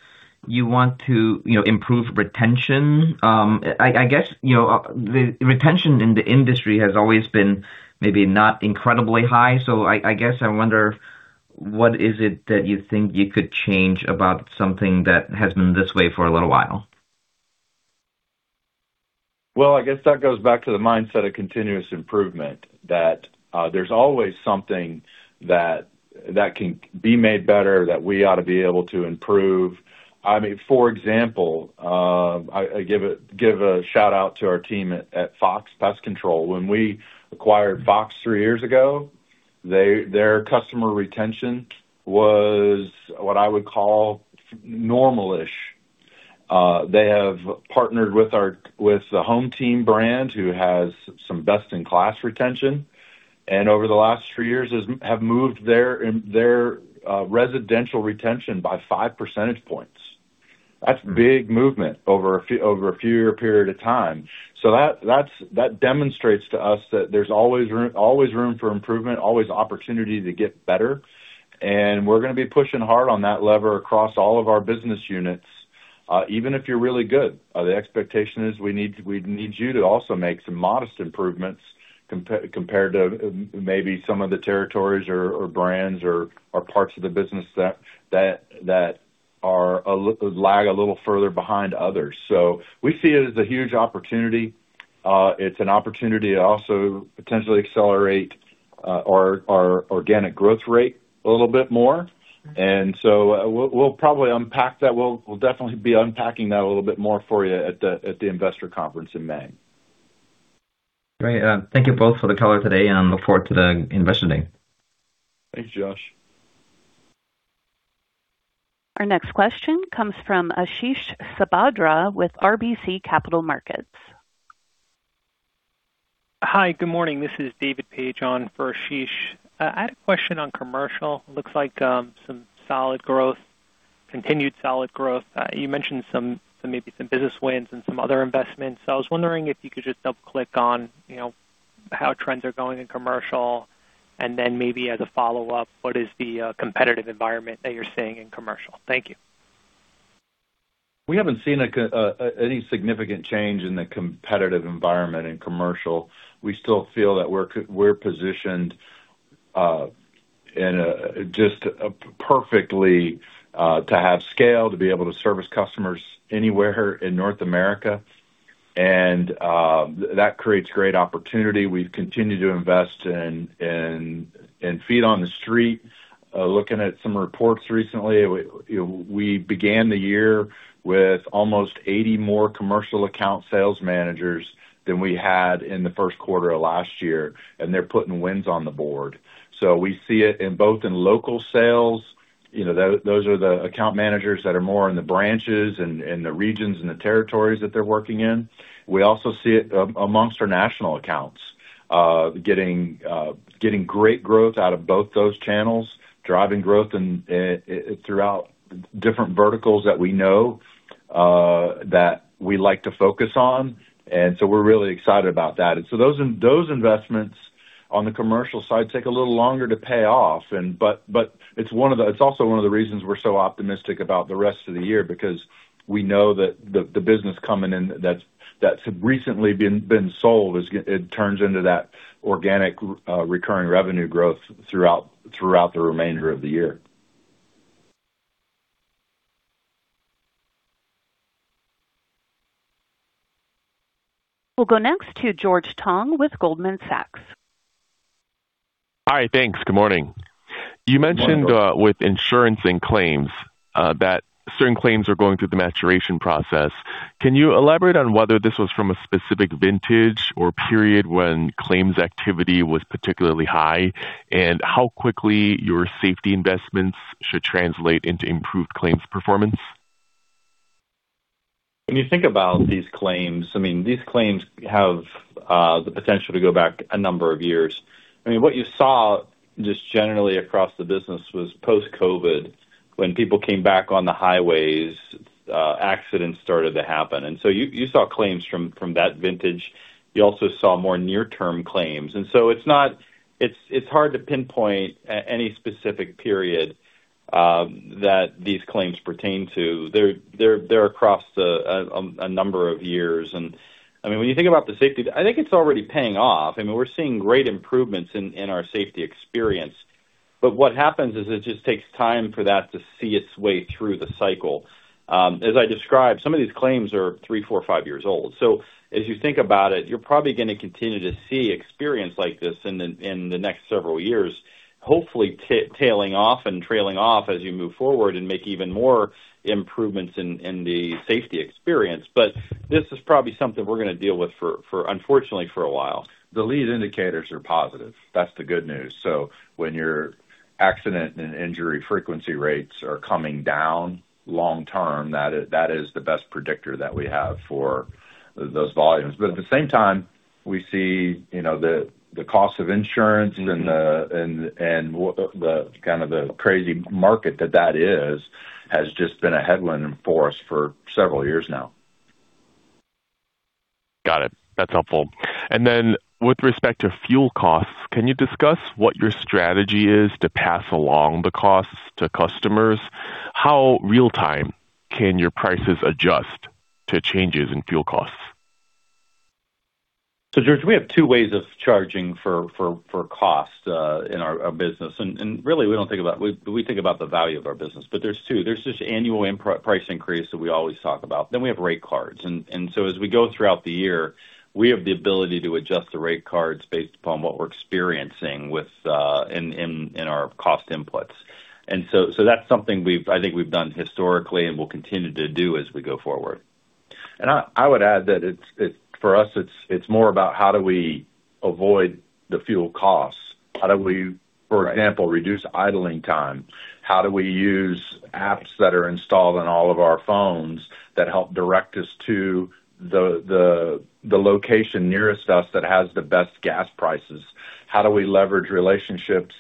you want to improve retention. I guess, the retention in the industry has always been maybe not incredibly high, so I guess I wonder what is it that you think you could change about something that has been this way for a little while? Well, I guess that goes back to the mindset of continuous improvement, that there's always something that can be made better, that we ought to be able to improve. For example, I give a shout-out to our team at Fox Pest Control. When we acquired Fox three years ago, their customer retention was what I would call normal-ish. They have partnered with the HomeTeam brand, who has some best-in-class retention, and over the last three years have moved their residential retention by 5 percentage points. That's big movement over a few year period of time. That demonstrates to us that there's always room for improvement, always opportunity to get better, and we're going to be pushing hard on that lever across all of our business units. Even if you're really good, the expectation is we need you to also make some modest improvements compared to maybe some of the territories or brands or parts of the business that lag a little further behind others. We see it as a huge opportunity. It's an opportunity to also potentially accelerate our organic growth rate a little bit more. We'll probably unpack that. We'll definitely be unpacking that a little bit more for you at the investor conference in May. Great. Thank you both for the color today, and look forward to the investor day. Thanks, Josh. Our next question comes from Ashish Sabadra with RBC Capital Markets. Hi, good morning. This is David Paige on for Ashish Sabadra. I had a question on commercial. Looks like some continued solid growth. You mentioned maybe some business wins and some other investments. I was wondering if you could just double click on how trends are going in commercial, and then maybe as a follow-up, what is the competitive environment that you're seeing in commercial? Thank you. We haven't seen any significant change in the competitive environment in commercial. We still feel that we're positioned just perfectly to have scale, to be able to service customers anywhere in North America, and that creates great opportunity. We've continued to invest in feet on the street. Looking at some reports recently, we began the year with almost 80 more commercial account sales managers than we had in the first quarter of last year, and they're putting wins on the board. We see it both in local sales, those are the account managers that are more in the branches and the regions and the territories that they're working in. We also see it amongst our national accounts, getting great growth out of both those channels, driving growth throughout different verticals that we know that we like to focus on. We're really excited about that. Those investments on the commercial side take a little longer to pay off, but it's also one of the reasons we're so optimistic about the rest of the year, because we know that the business coming in that's recently been sold, it turns into that organic recurring revenue growth throughout the remainder of the year. We'll go next to George Tong with Goldman Sachs. Hi, thanks. Good morning. Good morning, George. You mentioned with insurance and claims that certain claims are going through the maturation process. Can you elaborate on whether this was from a specific vintage or period when claims activity was particularly high, and how quickly your safety investments should translate into improved claims performance? When you think about these claims, these claims have the potential to go back a number of years. What you saw just generally across the business was post-COVID, when people came back on the highways, accidents started to happen. You saw claims from that vintage. You also saw more near-term claims. It's hard to pinpoint any specific period that these claims pertain to. They're across a number of years. When you think about the safety, I think it's already paying off. We're seeing great improvements in our safety experience. What happens is it just takes time for that to see its way through the cycle. As I described, some of these claims are three, four, five years old. As you think about it, you're probably going to continue to see experience like this in the next several years, hopefully tailing off and trailing off as you move forward and make even more improvements in the safety experience. This is probably something we're going to deal with, unfortunately, for a while. The lead indicators are positive. That's the good news. When your accident and injury frequency rates are coming down long term, that is the best predictor that we have for those volumes. At the same time, we see the cost of insurance and kind of the crazy market that that is, has just been a headwind for us for several years now. Got it. That's helpful. With respect to fuel costs, can you discuss what your strategy is to pass along the costs to customers? How real-time can your prices adjust to changes in fuel costs? George, we have two ways of charging for cost, in our business. Really, we think about the value of our business. There's two. There's just annual price increase that we always talk about. We have rate cards. As we go throughout the year, we have the ability to adjust the rate cards based upon what we're experiencing in our cost inputs. That's something I think we've done historically and will continue to do as we go forward. I would add that for us, it's more about how do we avoid the fuel costs. Right... for example, reduce idling time? How do we use apps that are installed on all of our phones that help direct us to the location nearest us that has the best gas prices? How do we leverage relationships?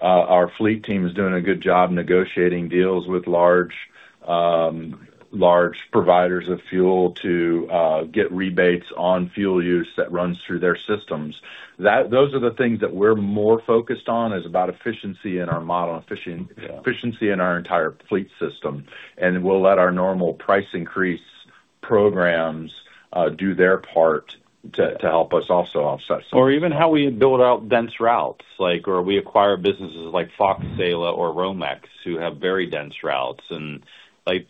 Our fleet team is doing a good job negotiating deals with large providers of fuel to get rebates on fuel use that runs through their systems. Those are the things that we're more focused on, is about efficiency in our model, efficiency in our entire fleet system. We'll let our normal price increase programs do their part to help us also offset some. For even how we build out dense routes, or we acquire businesses like Fox, Saela, or Romex, who have very dense routes.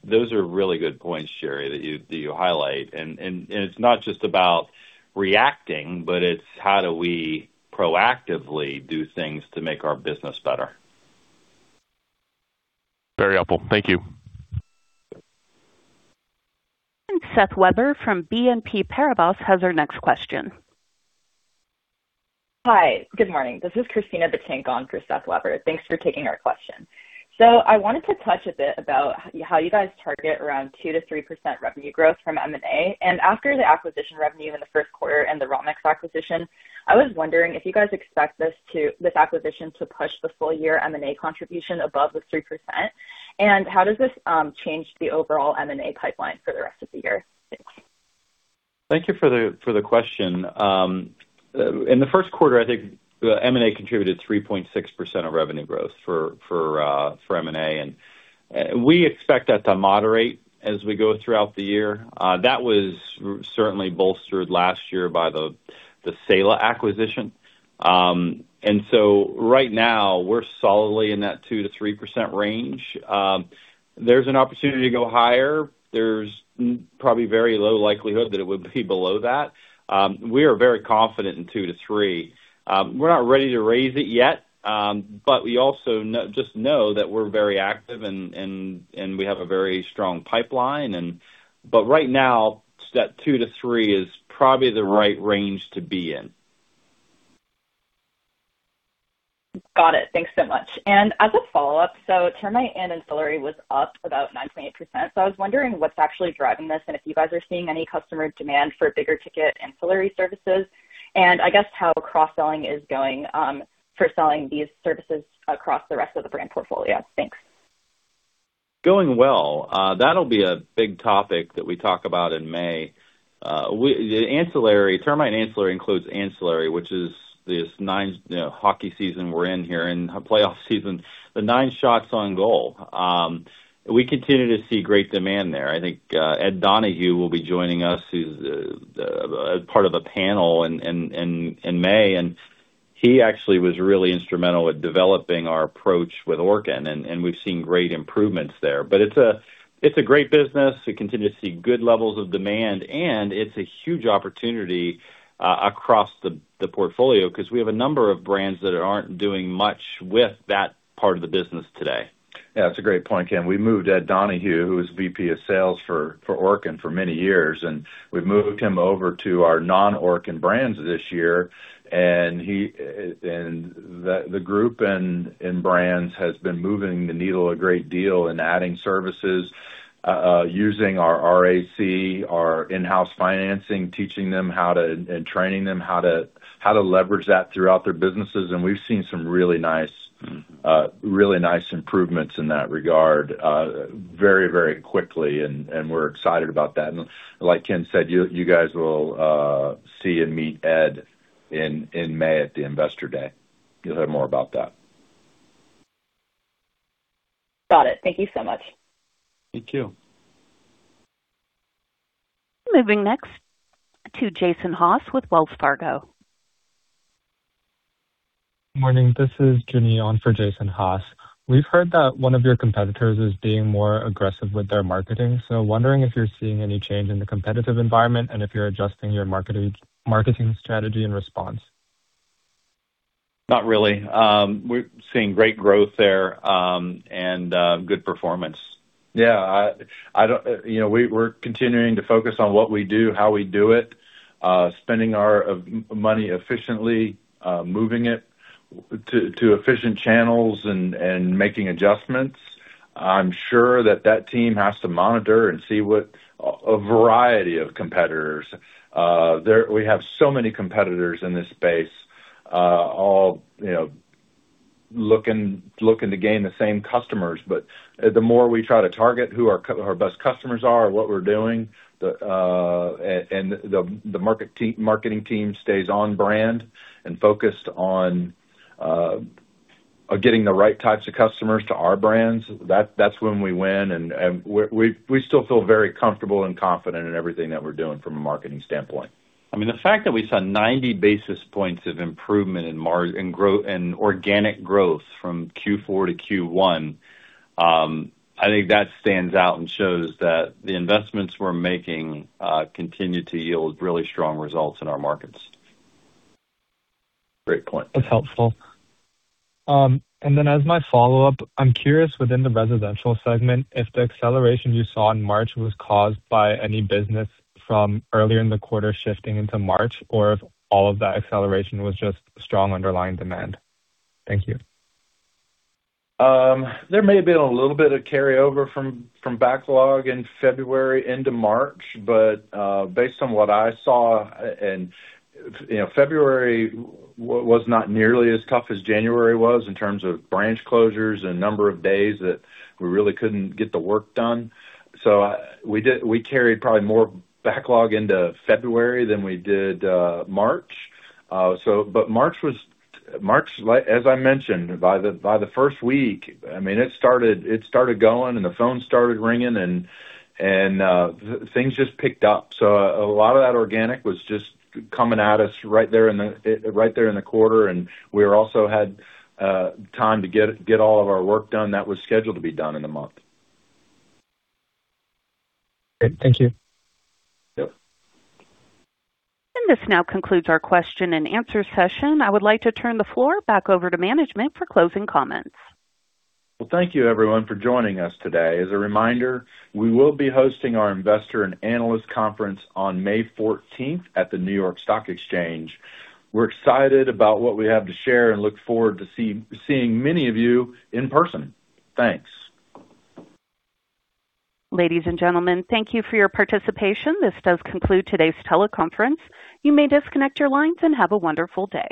Those are really good points, Jerry, that you highlight. It's not just about reacting, but it's how do we proactively do things to make our business better. Very helpful. Thank you. Seth Weber from BNP Paribas has our next question. Hi. Good morning. This is Christina Bettink on for Seth Weber. Thanks for taking our question. I wanted to touch a bit about how you guys target around 2%-3% revenue growth from M&A. After the acquisition revenue in the first quarter and the Romex acquisition, I was wondering if you guys expect this acquisition to push the full year M&A contribution above the 3%. How does this change the overall M&A pipeline for the rest of the year? Thanks. Thank you for the question. In the first quarter, I think M&A contributed 3.6% of revenue growth for M&A, and we expect that to moderate as we go throughout the year. That was certainly bolstered last year by the Saela acquisition. Right now, we're solidly in that 2%-3% range. There's an opportunity to go higher. There's probably very low likelihood that it would be below that. We are very confident in 2%-3%. We're not ready to raise it yet, but we also just know that we're very active, and we have a very strong pipeline. Right now, that 2%-3% is probably the right range to be in. Got it. Thanks so much. As a follow-up, so termite and ancillary was up about 9.8%. I was wondering what's actually driving this and if you guys are seeing any customer demand for bigger ticket ancillary services. I guess how cross-selling is going for selling these services across the rest of the brand portfolio? Thanks. Going well. That'll be a big topic that we talk about in May. Termite ancillary includes ancillary, which is this hockey season we're in here in playoff season, the nine shots on goal. We continue to see great demand there. I think Ed Donahue will be joining us as part of a panel in May, and he actually was really instrumental with developing our approach with Orkin, and we've seen great improvements there. But it's a great business. We continue to see good levels of demand, and it's a huge opportunity across the portfolio because we have a number of brands that aren't doing much with that part of the business today. Yeah, that's a great point, Ken. We moved Ed Donahue, who was VP of sales for Orkin for many years, and we've moved him over to our non-Orkin brands this year. The group in brands has been moving the needle a great deal and adding services, using our RAC, our in-house financing, teaching them how to, and training them how to leverage that throughout their businesses. We've seen some really nice improvements in that regard very, very quickly, and we're excited about that. Like Ken said, you guys will see and meet Ed in May at the Investor Day. You'll hear more about that. Got it. Thank you so much. Thank you. Moving next to Jason Haas with Wells Fargo. Morning. This is Jenny on for Jason Haas. We've heard that one of your competitors is being more aggressive with their marketing. Wondering if you're seeing any change in the competitive environment and if you're adjusting your marketing strategy in response? Not really. We're seeing great growth there and good performance. Yeah. We're continuing to focus on what we do, how we do it, spending our money efficiently, moving it to efficient channels and making adjustments. I'm sure that team has to monitor and see what a variety of competitors. We have so many competitors in this space all looking to gain the same customers. The more we try to target who our best customers are and what we're doing, and the marketing team stays on brand and focused on getting the right types of customers to our brands, that's when we win. We still feel very comfortable and confident in everything that we're doing from a marketing standpoint. The fact that we saw 90 basis points of improvement in organic growth from Q4 to Q1, I think that stands out and shows that the investments we're making continue to yield really strong results in our markets. Great point. That's helpful. As my follow-up, I'm curious within the residential segment, if the acceleration you saw in March was caused by any business from earlier in the quarter shifting into March, or if all of that acceleration was just strong underlying demand? Thank you. There may have been a little bit of carryover from backlog in February into March, but based on what I saw, February was not nearly as tough as January was in terms of branch closures and number of days that we really couldn't get the work done. We carried probably more backlog into February than we did March. March, as I mentioned, by the first week, it started going and the phone started ringing and things just picked up. A lot of that organic was just coming at us right there in the quarter, and we also had time to get all of our work done that was scheduled to be done in the month. Great. Thank you. Yep. This now concludes our question and answer session. I would like to turn the floor back over to management for closing comments. Well, thank you everyone for joining us today. As a reminder, we will be hosting our investor and analyst conference on May 14th at the New York Stock Exchange. We're excited about what we have to share and look forward to seeing many of you in person. Thanks. Ladies and gentlemen, thank you for your participation. This does conclude today's teleconference. You may disconnect your lines, and have a wonderful day.